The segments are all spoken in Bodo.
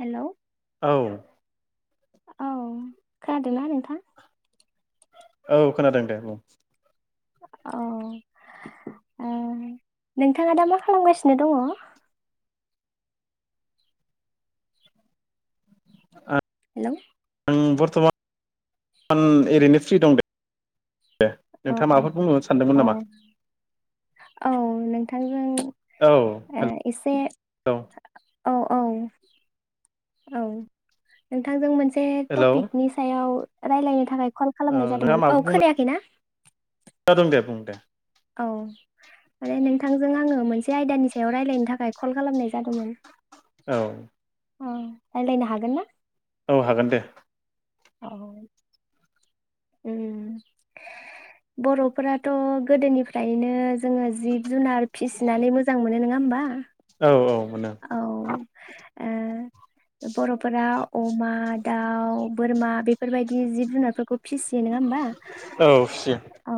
हेलौ औ औ खोनादोंना नोंथां औ खोनादों दे बुं औ ओ नोंथाङा दा मा खालामगासिनो दङ आ हेल' उम बर्थ'मान ओरैनो फ्रि दं दे अ नोंथाङा अ माबाफोर बुंनो सानदोंमोन औ नामा औ नोंथांजों औ हेलौ एसे औ औ औ नोंथांजों मोनसे हेलौ टपिकनि सायाव रायज्लायनो थाखाय कल औ खालामनाय नोंहा जादोंमोन औ माबा बुंनो खोनायाखै ना दं दे बुं दे औ माने नोंथांजों आङो मोनसे आयदानि सायाव रायजलायनो थाखाय कल खालामनाय जादोंमोन। औ रायज्लायनो हागोन ना? औ हागोन दे औ ओम बर'फोराथ' गोदोनिफ्रायनो जोङो जि जुनार फिसिनानै मोजां मोनो नङा होम्बा आ औ औ मोनो औ ए बर'फोरा अमा, दाउ, बोरमा बेफोरबायदि जिब जुनारफोरखौ फिसियो नङा होमबा औ फिसियो औ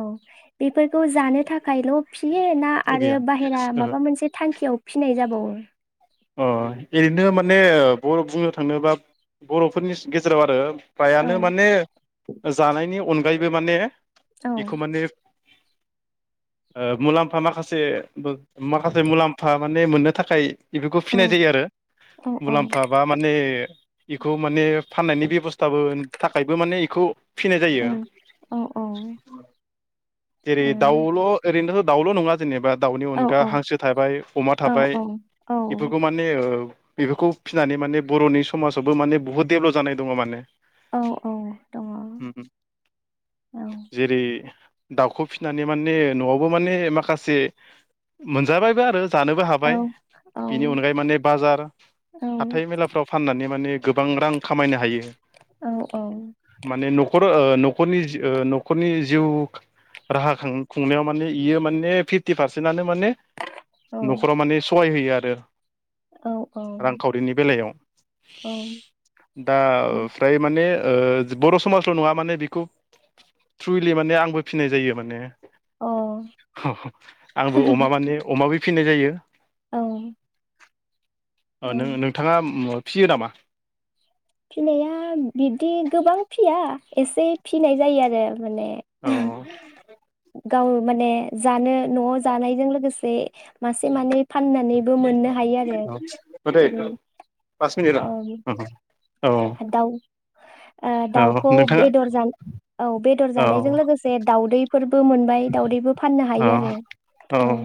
फोरखौ जानो थाखायल' फिसियो ना आरो गैया बाहेरा ओहो। माबा मोनसे थांखियाव फिनाय जाबावो? [unintelligible] अ ओरैनो माने ओ बर' बुंनो थाङोनोबा बर'फोरनि गेज-गेजेराव आरो औ फ्रायानो माने जानायनि अन गायैबो माने औ बेखौ माने ओ मुलाम्फा माखासेबो माखासे मुलाम्फा माने मोननो थाखाय बेफोरखौ औ फिनाय जायो आरो औ औ मुलाम्फा बा माने बेखौ माने फाननायनि बेबस थाबो थाखायबो माने बेखौ फिनाय जायो औ औ जेरै उम दाउल' ओरैनो दाउल' नङा जेनेबा दाउनि औ अनगा औ हांसो थाबाय अमा औ थाबाय औ इफोखौ माने ओ औ बेफोरखौ फिनानै माने बर'नि समाजावबो माने बुहुत दडेभलप जानाय दङ माने औ दङ ओम औ जेरै दाउखौ फिसिनानै माने न'आवबो माने माखासे मोनजाबायबो आरो जानोबो औ हाबाय औ बिनि माने बाजार हाथाइ मेलाफ्राव फानना माने माने गोबां रां खामायनो हायो। औ माने न'खर ओ नख खरनि ओ न'खरनि जिउ राहा खां-खुंनायाव माने इयो माने फिफ्टि पारसेन्टनो माने। न'खराव माने सहाय होयो। [unintelligible] रांखावरिनि बेलायाव दा फ्राय माने ओ बर' समाजल' नङा माने बेखौ थ्रुलि माने आंबो फिनाय जायो माने आंबो अमा माने अमा बेब फिनाय जायो औ औ अ औ नोङो नोंथाङा फियो नामा? फिसिनाया बिब्दि गोबां फिया एसे फिसिनाय जायो आरो। माने औ गाव माने जानो नआव जानायजों लोगोसे मासे मानै फाननानैबो मोननो हायो आरो औ दे ओरैहाय पास मिनिट र' अ [inaudible] औ दाउ ओ औ दाउखौ नोंथाङा बेदर ओ बेदर औ जानायजों लोगोसे दाउदै बो मोनबाय दाउदैबो फाननो हायो औ आरो औ।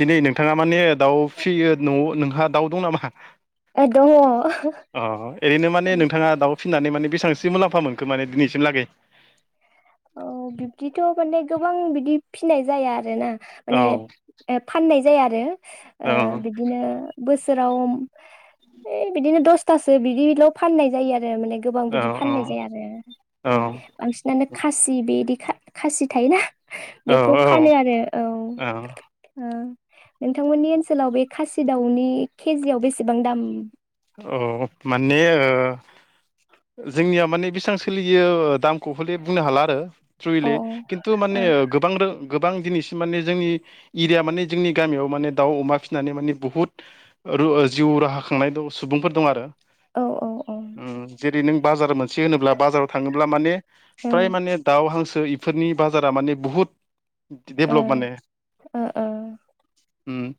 दिनै नोंथाङा माने दाउ फिसियो नआव नोंथाङा। दाउ दं नामा? औ दङ। फिननानै माने बेसेबांसो मुलाम्फा मोनखो माने दिनैसिम लागै। ओ बिब्दिथ माने गोबां बिदि फिनाय जाया आरो ना। औ माने फाननाय जाया आरो। ओ औ बिदिनो बोसोर बोसोराव ओइ बिदिनो दसथासो बिदिल फाननाय जायो आरो। आरो माने गोबां औ बिदि फाननाय जाया औ आरो बांसिनानो बेदि इदि खासि थायोना बेखौ औ फानो आरो औ नोंथांमोननि ओनसोलाव बे खासि दाउनि केजियाव बेसेबां दाम? औ माने ओ जोंनियाव माने बेसेबां सोलियो दाम खौ हले बुंनो हाला आरो अ औ खिन्थु माने गोबां रो [inaudible] गोबां दिनैसिम माने जोंनि एरिया माने जोंनि गामियाव माने दाउ अमा फिसिनानै माने बुहुत जिउ राहा खांनाय सुबुंफोर दं आरो। औ औ ओ नों बाजार मोनसे होनोब्ला बाजाराव थाङोब्ला माने ओ प्राय माने दाउ हांसो इफोरनि बाजारा माने बुहुत ओ डेभलप माने। ओ औ उम।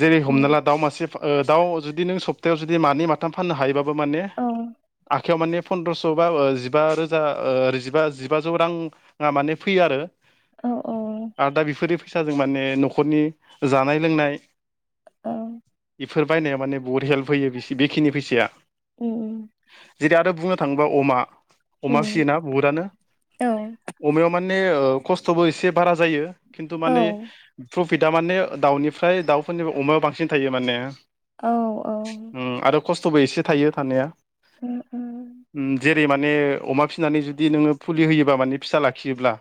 जेरै हमना ला दाउ मासे ओ दाउ सप्तायाव जुदि मानै माथाम फाननो हायो बो माने आखायाव माने पनन्द्रस' बा जिबा रोजा ओ जिबा जिबाजौ राङा माने फैयो आरो औ औ आरो दा बेफोरो फैसाजों माने न'खरनि जानाय लोंनाय औ फोर बायनाया माने बहुत हेल्प होयो बिसिखि बेखिनि फैसाया उम जुदि आरो बुंनो थाङोब्ला अमा अमा उम फिसियोना बुहुदानो औ अमायाव माने ओ खस्थ'बो एसे बारा जायो खिनथु औ माने प्रफिटआ माने ओ दाउनिफ्राय दाउफोरनिफ्राय अमाया बांसिन थायो माने औ उम आरो औ खस्थ'बो एसे थायो थानाया उम जे बे माने अमा फिसिनानै जुदि नोङो फुलि होयोबा माने फिसा लाखियोब्ला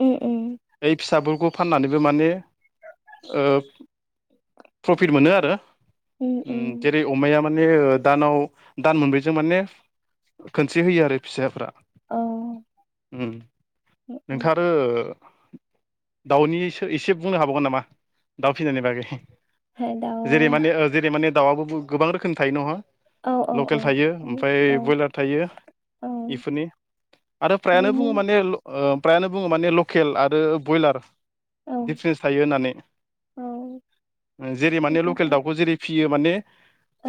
उम उम बे फिसाफोर बेखौ फाननानैबो माने ओ प्रफिट मोनो आरो उम उम अमाया माने दानाव दान मोनब्रैजों माने खनसे होयो आरो फिसाफ्रा उम उम औ नोंथाङा आरो दाउनि एस एसे बुंनो हाबावगोन नामा दाउ फिसिनायनि बागै दाउआ जेरै माने ओ जेरै माने दाउबो [unintelligible] गोबां रोखोम थायो नङा औ औ औ लकेल थायो औ ओमफ्राय बयलार थायो औ एफोरनि आरो फ्रायानो बिनि बुङो माने ल ओ फ्रायानो बुङो माने लकेल आरो बयलार औ औ दिफारेन्स थायो होननानै औ जेरै माने लकेल दाउखौ जेरै फियो माने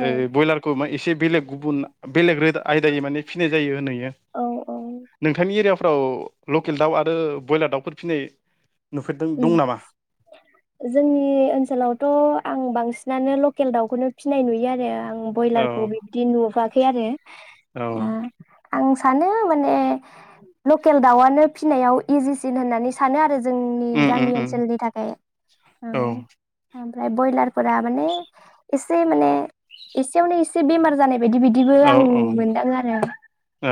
ओ बयलारखौ मान एसेब बेलेग गुबुन बेलेग रोद आयदायै माने फिनाय जायो होनहैयो औ औ नोंथांनि एरियायाव औऔ लकेल दाउ आरो बयलार दाउफोर फिनाय नुफेरदों ओं दं नामा जोंनि ओनसोलावथ' आं बांसिन नानो लकेल दाउखौनो फिनाय नुयो आरो आं बयलार औ खौ बिब्दि नुबा खै आरो औ ओ आं सानो माने लकेल दाउआनो फिसिनायाव इजिसिन होननानै सानो आरो जोंनि उम उम गामि उम ओनसोलनि थाखाय औ। ओमफ्राय ब्रयलारफोरा माने एसे माने एसेयावनो एसे बेमार जानाय बिदि बिदिबो औ आं औ मोनदाङो आरो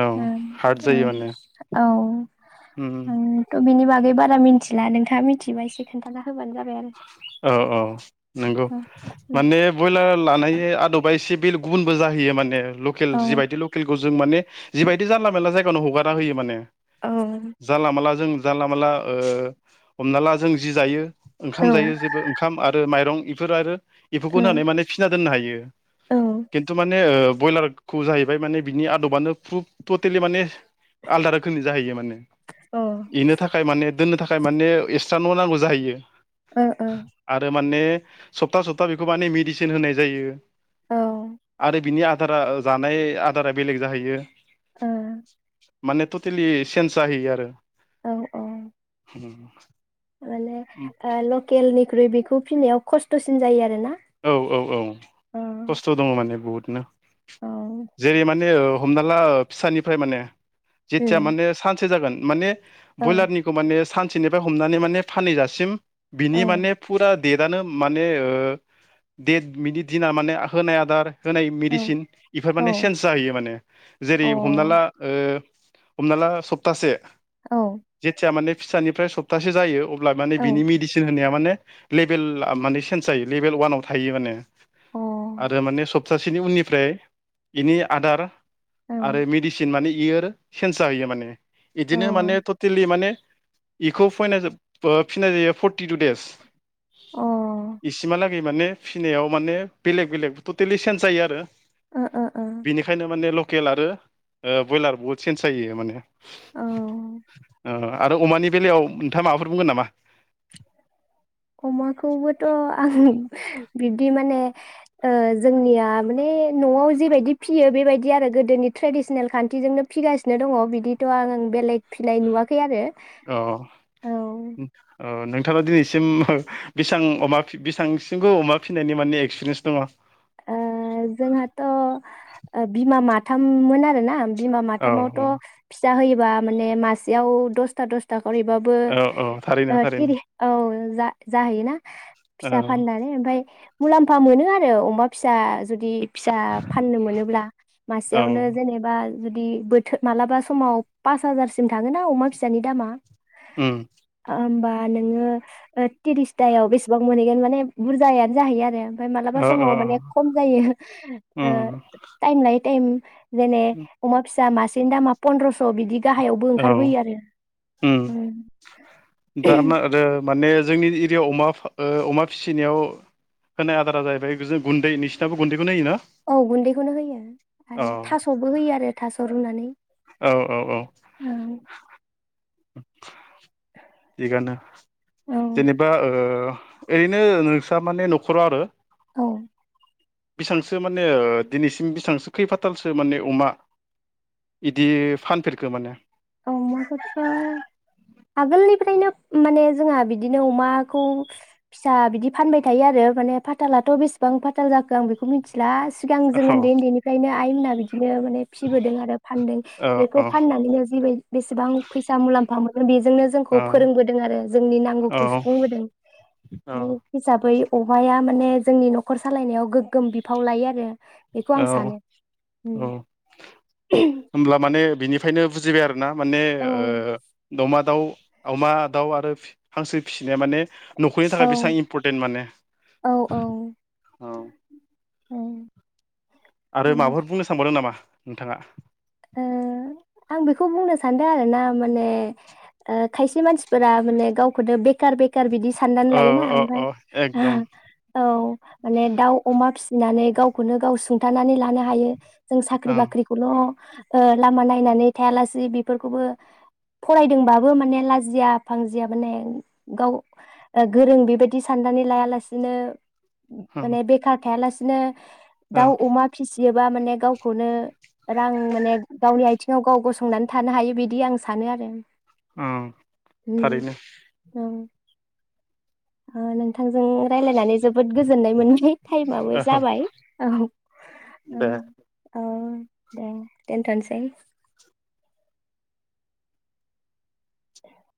औ उम हार्ड जायो माने उम औ उम आंथ' बिनि बागै बारा मिनथिला नोंथां [unintelligible] मिथियोबा एसे खोन्थाना होबानो जाबाय आरो औ औ नंगौ औ माने बयलार लानाय आदबा एसे बेल गुबुनबो जाहैयो माने लकेल औ जिबायदि लकेलखौ जों माने जिबायदि जानला मोनला जाय [unintelligible] हगारना होयो माने। औ अ जानला माला जों जानला-मानला ओ हमना ला जों जि जायो ओ ओंखाम जायो जेबो ओंखाम आरो माइरं बेफोर आरो बेफोरखौ होनानै माने फिना दोननो हायो। खिन्थु माने ओ बयलारखौ जाहैबाय माने बिनि आदबानो फ्रुफ टटेलि माने आलदा रोखोमनि जाहैयो माने औ एनो थाखाय माने दोननो थाखाय माने एस [unintelligible] न' नांगौ जाहैयो। आरो माने सप्ता-सप्ता बेखौ माने मिदिसिन होनाय जायो। आरो बिनि आदारा जानाय आदारा बेलेग जाहैयो। ओ। माने टटेलि चेन्ज जाहैयो आरो। औ औ। [inaudible] माने ओ लक खेलनिख्रुइ बेखौ फिनायाव खस्थ'सिन जायो आरो ना? औ औ औ खस्थ' दङ माने औ जेरै माने हमना ला फिसानिफ्राय माने जेथिया उम माने सानसे जागोन माने औ ब्रयलारनिखौ माने सान थिनिफ्राय हमनानै माने फानैहैजासिम बिनि औ माने फुरा देटानो माने ओ देट बिनि दिना माने होनाय आदार होनाय औ मेडिसिन इफोर माने औ चेन्ज जाहैयो माने जेरै अ औ हमना ला ओ हमना ला सप्तासे जितिया माने फिसानिफ्राय सप्तासे जायो अ ब्ला माने बिनि मेडिसिन होनाया माने लेभेला माने चेन्ज जायो लेभेल वानाव थायो माने आरो माने स प्तासेनि उननिफ्राय बेनि आदार अ आरो मेडिसिन मानि इयो सेन्ज जाहोयो मान ओ बिदिनो माने टटेलि माने बेखौ [unintelligible] ओ फिसिनाय जायो फर्टि टु देस ओ इसिमहालागै माने फिसिनायाव माने बेलेग बेलेग टटेलि चन्ज जायो आरो ओ बेनिखायनो माने केल आरो ब्रयलार बुहुत चेन्ज जायो माने औ आरो अमानि बेलायाव नोंथाङा माबाफोर बुंगोन नामा? अमाखौबोथ' आं बिब्दि माने ओ जोंनिया माने न'आव जेबायदि फियो बेबायदि आरो गोदोनि ट्रेडिसनेल खान्थिजोंनो फिगासिनो दङ बिदिथ' आं बेलेग फिनाय नुवाखै आरो। अ औ ओ नोंथाङा दिनैसिम बेबां बेसेबांसिमखौ अमा फिनायनि माने एक्सपिरिेन्स दङ? ओ जोंहाथ' ओ बिमा माथाममोन आरो ना बिमा माथामावथ' औ फिसा होयो बा माने मासेयाव दसथा दसथा करैबाबो औ औ थारैनो ओ थारैनो थिरि औ जा जाहैयोना औ फिसा फाननानै ओमफ्राय मुलाम फा मोनो आरो अमा फिसा जुदि फिसा फाननो मोनोब्ला औ मासेयावनो जेनेबा जुदि बोथोर मालाबा समाव पास हाजारसिम थाङोन ना अमा फिसानि दामा उम होमबा नोङो त्रिसतायाव बेसेबां मोनहैगोन माने बुरजायानो जाहैयो आरो ओमफ्राय औ मालाबा औ समाव औ माने खम ए ओ उम टाइम लायो टाइम जेने अमा फिसा मासे सिनि दामा पन्द्रस' बिदि गाहायावबो औ ओंखारबोयो आरो ओम उम दानो आरो माने जोंनि एरियायाव अमा फा ओ अमा फिसिनायाव होनाय आदारा जाहैबाय गुन्दै नोंसिनाबो गुन्दैखौनो होयो ना? औ गुन्दैखौनो होयो आरो थास'बो होयो आरो थास' रुनानै औ औ औ [unintelligible] थिगानो औ जेनेबा ओ ओरैनो नोंस्रा माने न'खराव आरो औ बेसांसो माने दिनैसिम बेसेबांसो खैफाथालसो माने अमा इदि फानफेरखो माने अमाखौथ' आगोलनिफ्रायनो माने जोंहा बिदिनो अमाखौ फिसा बिदि फानबाय थायो आरो माने फाथालाथ' बेसेबां फाथाल जाखो आं बेखौ मिथि ला सिगां जों औ उन्दै उन्दैनिफ्रायनो आइमोनहा बिदि बिदिनो माने फिबोदों आरो फानदों औ बेखौ औ फाननानैनो बेसेबां फैसा मुलाम्फा मोनो बेजोंनो औ जोंखौ फोरोंबोदों आरो जोंनि नांगौखौ औ सुफुंबोदों औ बे हिसाब बै अमाया माने जोंनि न'खर सालायनायाव गोग्गोम बिफाव लायो आरो बेखौ औ आं सानो औ होनब्ला माने बिनिफ्रायनो बुजिबाय आरो ना माने औ ओ दउमा दाउ अमा दाउ आरो हांसो फिसिनाया माने न'खरनि औ थाखाय बेसेबां इम्परटेन्ट माने औ औ औ औ आरो माने माबाफोर बुंनो सानबावदों नामा? नोंथाङा ओ आं बेखौ बुंनो सानदों आरो ना माने ओ खायसे मानसिफोरा माने गावखौनो बेखार बेखार खार बिदि साननानै औ लायोना औ ओमफ्राय औ एकदम औ माने दाउ अमा फि नानै गावखौनो गाव सुंथानानै लानो हायो जों साख्रि ओं बाख्रिखौल' ओ लामा नायनानै थायालासे बेफोरखौबो फरायदोंबाबो माने लाजिया फांजिया माने गाव गोरों बेबायदि साननानै लायालासेनो ओं माने बेखार थाया लासे बिदिनो दाउ ओं अमा फिसियो बा माने गावखौनो रां माने गावनि आइथिङाव गाव गसंनानै थानो हायो बिदि आं सानो आरो। उम उम थारैनो। औ ओ नोंथांजों रायलायनानै जोबोद गोजोननाय मोन [unintelligible] टाइमाबो औ जाबाय औ ओ दे औ। दे दोनथ'नोसै। [unintelligible]